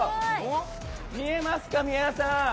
見えますか、皆さん。